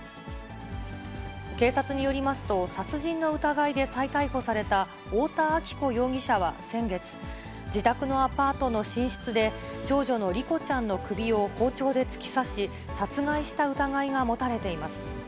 警察によりますと、殺人の疑いで再逮捕された太田亜紀子容疑者は先月、自宅のアパートの寝室で、長女の梨心ちゃんの首を包丁で突き刺し、殺害した疑いが持たれています。